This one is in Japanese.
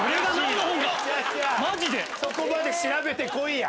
そこまで調べてこいや！